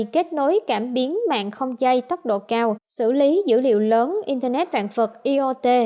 kết nối cảm biến mạng không dây tốc độ cao xử lý dữ liệu lớn internet vạn vật iot